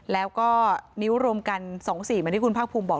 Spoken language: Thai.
แล้วก็นิ้วรวมกัน๒๔เหมือนที่คุณภาคภูมิบอก